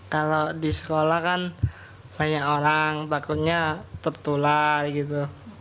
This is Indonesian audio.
kalau di sekolah kan banyak orang takutnya tertular gitu